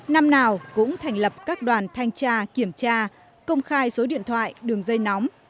năm nào cũng thành lập các đoàn thanh tra kiểm tra công khai số điện thoại đường dây nóng